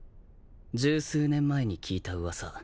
十数年前に聞いた噂。